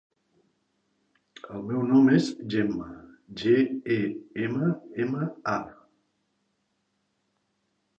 El meu nom és Gemma: ge, e, ema, ema, a.